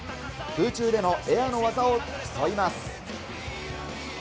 空中でのエアの技を競います。